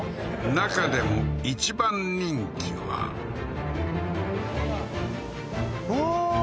中でも一番人気はうわー！